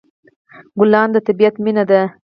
ګلان د طبیعت مینه ده.